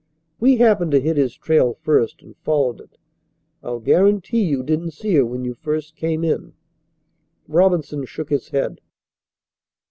We happened to hit his trail first and followed it. I'll guarantee you didn't see her when you first came in." Robinson shook his head.